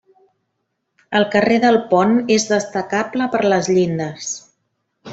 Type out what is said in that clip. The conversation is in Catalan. El carrer del Pont és destacable per les llindes.